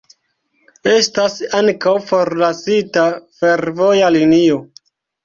Estas ankaŭ forlasita fervoja linio.